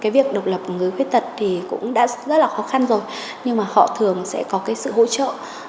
việc độc lập người khuyết tật thì cũng đã rất là khó khăn rồi nhưng mà họ thường sẽ có sự hỗ trợ